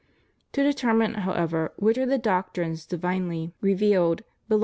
To determine, however, which are the doctrines divinely » Eph.